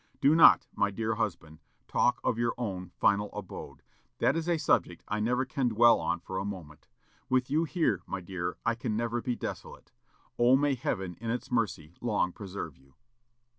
Do not, my dear husband, talk of your own 'final abode;' that is a subject I never can dwell on for a moment. With you here, my dear, I can never be desolate. Oh, may Heaven, in its mercy, long preserve you!"